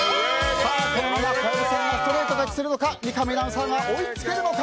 このまま小籔さんがストレート勝ちするのか三上アナウンサーが追いつけるのか。